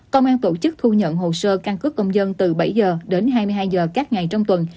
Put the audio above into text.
công an tổ chức thu nhận hồ sơ căn cứ công dân từ bảy h đến hai mươi hai h các ngày trong tuần